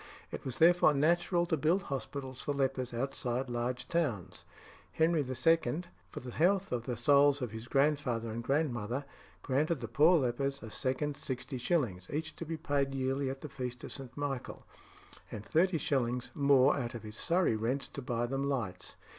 It was therefore natural to build hospitals for lepers outside large towns. King Henry II., for the health of the souls of his grandfather and grandmother, granted the poor lepers a second 60s. each to be paid yearly at the feast of St. Michael, and 30s. more out of his Surrey rents to buy them lights.